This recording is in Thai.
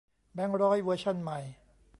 แบงก์ร้อยเวอร์ชันใหม่